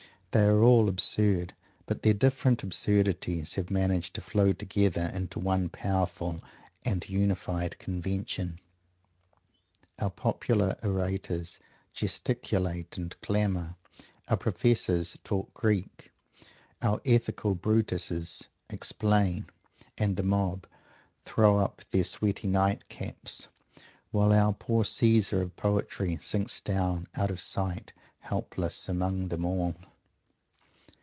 They are all absurd, but their different absurdities have managed to flow together into one powerful and unified convention. Our popular orators gesticulate and clamour; our professors "talk Greek;" our ethical Brutuses "explain;" and the mob "throw up their sweaty night caps;" while our poor Caesar of Poetry sinks down out of sight, helpless among them all.